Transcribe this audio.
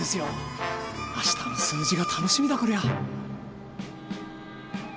あしたの数字が楽しみだこりゃ。